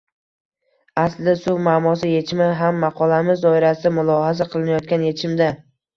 Aslida suv muammosi yechimi ham maqolamiz doirasida mulohaza qilinayotgan yechimda